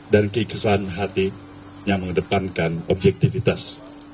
dan kekesan hati yang mengedepankan objektivitas